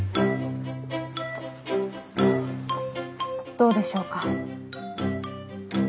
どうでしょうか？